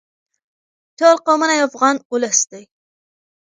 ټول قومونه یو افغان ولس دی.